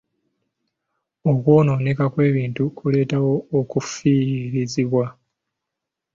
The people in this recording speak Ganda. Okwonooneka kw'ebintu kuleetawo okufiirizibwa.